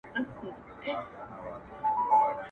وچ ډنګر وو له کلونو ژړ زبېښلی؛